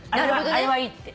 あれはいいって。